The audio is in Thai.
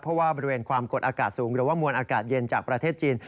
เพราะว่าบริเวณความกดอากาศสูงหรือว่ามวลอากาศเย็นจากประเทศจีน